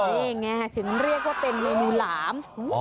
นี่ไงถึงเรียกว่าเป็นเมนูหลาม